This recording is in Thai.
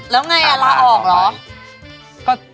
แล้วไงลาออกเหรอ